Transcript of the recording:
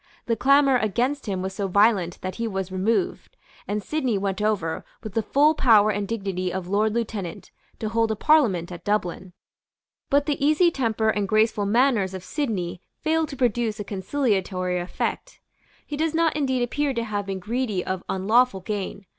The clamour against him was so violent that he was removed; and Sidney went over, with the full power and dignity of Lord Lieutenant, to hold a Parliament at Dublin. But the easy temper and graceful manners of Sidney failed to produce a conciliatory effect. He does not indeed appear to have been greedy of unlawful gain.